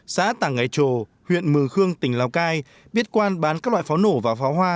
xã tà ngạy trồ huyện mường khương tỉnh lào cai biết quan bán các loại pháo nổ và pháo hoa